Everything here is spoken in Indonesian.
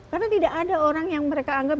karena tidak ada orang yang mereka anggap